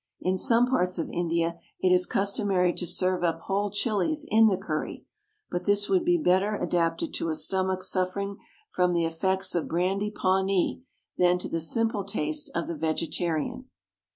In some parts of India it is customary to serve up whole chillies in the curry, but this would be better adapted to a stomach suffering from the effects of brandy pawnee than to the simple taste of the vegetarian.